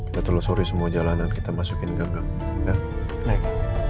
kalo ada yang tersusuri kita masukin ke gerbang